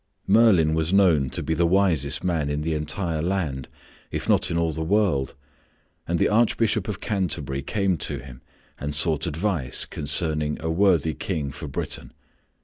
Merlin was known to be the wisest man in the entire land, if not in all the world, and the Archbishop of Canterbury came to him and sought advice concerning a worthy King for Britain.